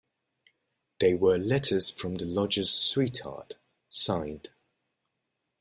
They were letters from the lodger's sweetheart, signed.